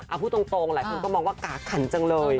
เอาพูดตรงหลายคนก็มองว่ากาขันจังเลย